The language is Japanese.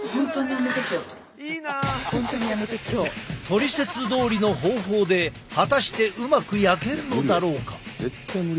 トリセツどおりの方法で果たしてうまく焼けるのだろうか。